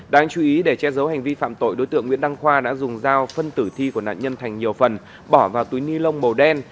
đáng chú ý để che giấu hành vi phạm tội đối tượng nguyễn đăng khoa đã dùng dao phân tử thi của nạn nhân thành nhiều phần bỏ vào túi ni lông màu đen